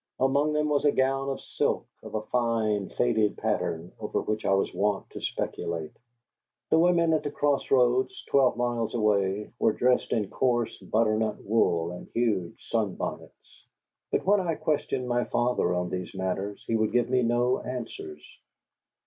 Among them was a gown of silk, of a fine, faded pattern, over which I was wont to speculate. The women at the Cross Roads, twelve miles away, were dressed in coarse butternut wool and huge sunbonnets. But when I questioned my father on these matters he would give me no answers.